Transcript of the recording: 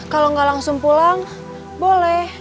kalau nggak langsung pulang boleh